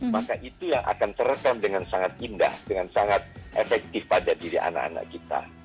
maka itu yang akan terekam dengan sangat indah dengan sangat efektif pada diri anak anak kita